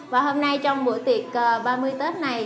và hôm nay trong bữa tiệc ba mươi tết này